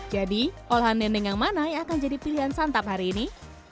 jadi olahan dendeng yang mana yang akan jadi pilihan santap hari ini